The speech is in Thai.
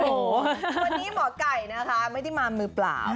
วันนี้หมอไก่นะคะไม่ได้มามือเปล่า